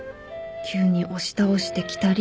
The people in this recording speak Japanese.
急に押し倒してきたり。